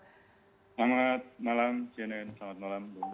selamat malam cnn selamat malam